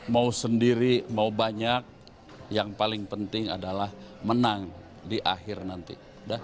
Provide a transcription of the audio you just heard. mau sendiri mau banyak yang paling penting adalah menang di akhir nanti